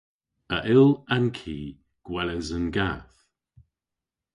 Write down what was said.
A yll an ki gweles an gath?